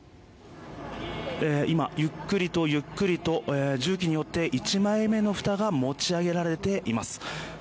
今、ゆっくりとゆっくりと重機によって１枚目のふたが持ち上げられています。